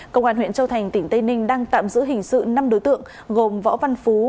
công an huyện châu thành tỉnh tây ninh đang tạm giữ hình sự năm đối tượng gồm võ văn phú